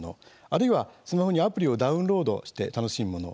あるいは、スマホにアプリをダウンロードして楽しむもの